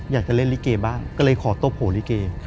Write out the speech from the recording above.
อยากจะเล่นลิเกบ้างก็เลยขอตบโผล่ลิเก